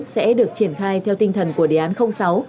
sẽ được triển khai theo tinh thần của đề án sáu